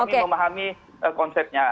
kami memahami konsepnya